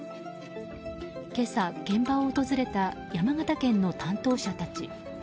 今朝、現場を訪れた山形県の担当者たち。